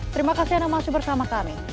terima kasih anda masih bersama kami